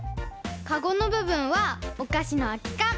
かごのぶぶんはおかしのあきかん！